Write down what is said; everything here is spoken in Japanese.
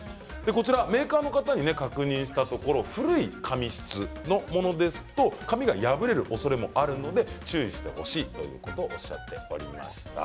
メーカーの方に確認したところ古い紙質のものですと紙が破れるおそれもあるので注意してほしいということおっしゃっていました。